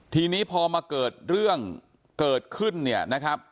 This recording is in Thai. ทีนี้พอมาเกิดเรื่องเกิดขึ้นเนี่ยนะครับ